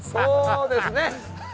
そうですね？